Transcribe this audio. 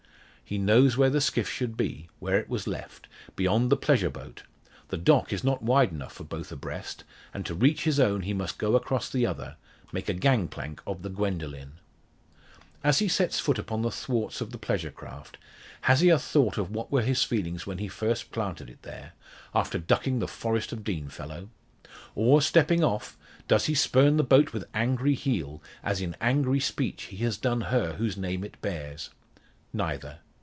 He knows where the skiff should be where it was left beyond the pleasure boat. The dock is not wide enough for both abreast, and to reach his own he must go across the other make a gang plank of the Gwendoline. As he sets foot upon the thwarts of the pleasure craft, has he a thought of what were his feelings when he first planted it there, after ducking the Forest of Dean fellow? Or, stepping off, does he spurn the boat with angry heel, as in angry speech he has done her whose name it bears? Neither.